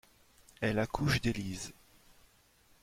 Elle accouche d'Élise.